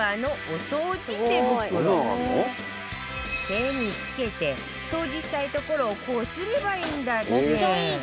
手に着けて掃除したいところをこすればいいんだって